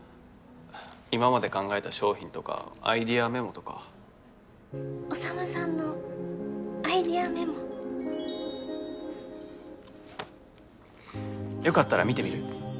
今まで考えた商品とかアイデアメモとか宰さんのアイデアメモよかったら見てみる？